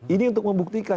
ini untuk membuktikan